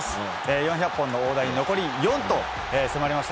４００本の大台に残り４と迫りました